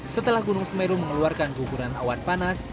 setelah gunung semeru mengeluarkan guguran awan panas